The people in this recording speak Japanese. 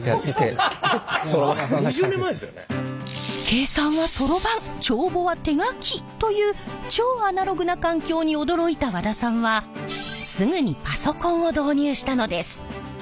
計算はソロバン帳簿は手書きという超アナログな環境に驚いた和田さんはすぐにパソコンを導入したのです。